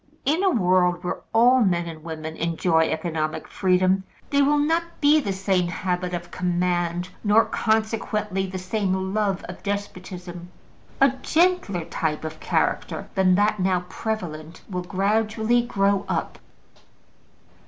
In a world where all men and women enjoy economic freedom, there will not be the same habit of command, nor, consequently, the same love of despotism; a gentler type of character than that now prevalent will gradually grow up.